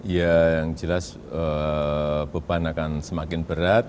ya yang jelas beban akan semakin berat